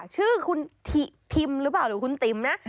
ชื่อคุณทิมหรือเปล่าหรือคุณติ๋มนะ